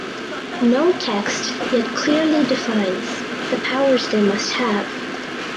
No text yet clearly defines the powers they must have.